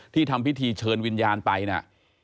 ทำพิธีเชิญวิญญาณไปนะ